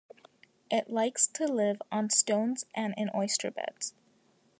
It likes to live on stones and in oyster beds.